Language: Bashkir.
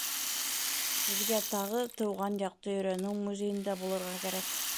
Һеҙгә тағы тыуған яҡты өйрәнеү музейында булырға кәрәк.